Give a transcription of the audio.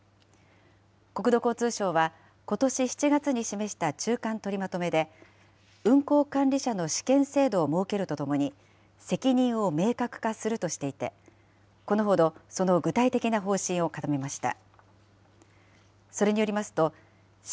国土交通省はことし７月に示した中間取りまとめで、運航管理者の試験制度を設けるとともに、責任を明確化するとしていて、このほど、その具体的な方針を固めました。